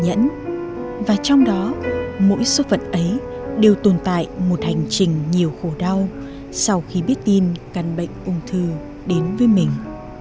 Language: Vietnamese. nhưng qua đó mỗi số phận ấy đều tồn tại một hành trình nhiều khổ đau sau khi biết tin căn bệnh ung thư đến với mình